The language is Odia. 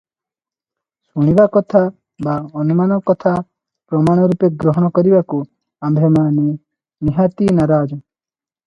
ଶୁଣିବା କଥା ବା ଅନୁମାନ କଥା ପ୍ରମାଣ ରୂପେ ଗ୍ରହଣ କରିବାକୁ ଆମ୍ଭେମାନେ ନିହାତି ନାରାଜ ।